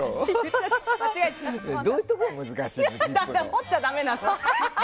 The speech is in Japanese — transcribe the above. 掘っちゃダメなの。